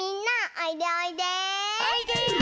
おいで。